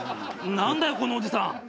なんだよこのおじさん。